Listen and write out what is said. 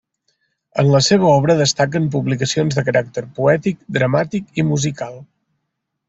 En la seva obra destaquen publicacions de caràcter poètic, dramàtic i musical.